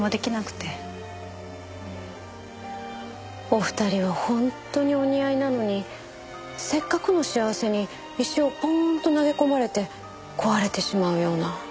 お二人は本当にお似合いなのにせっかくの幸せに石をポーンと投げ込まれて壊れてしまうような。